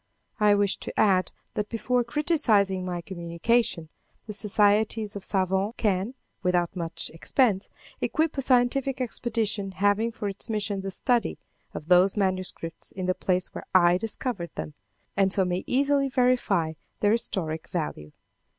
I wish to add that before criticising my communication, the societies of savans can, without much expense, equip a scientific expedition having for its mission the study of those manuscripts in the place where I discovered them, and so may easily verify their historic value.